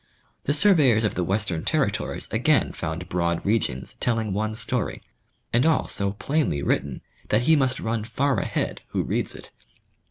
The surveyors of the western territories again found broad regions telling one story, and all so plainly written that he must run far ahead who reads it.